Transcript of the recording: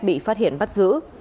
bị phát hiện bắt giữ